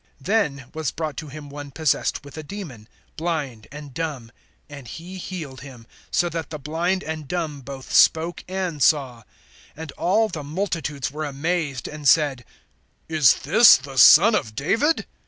(22)Then was brought to him one possessed with a demon, blind, and dumb; and he healed him, so that the blind and dumb both[12:22] spoke and saw. (23)And all the multitudes were amazed, and said: Is this the Son of David?